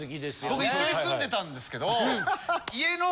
僕一緒に住んでたんですけど家の。